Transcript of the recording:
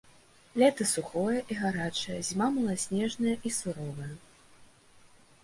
Лета сухое і гарачае, зіма маласнежная і суровая.